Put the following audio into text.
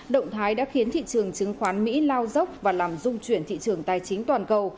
động thái đã khiến thị trường chứng khoán mỹ lao dốc và làm dung chuyển thị trường tài chính toàn cầu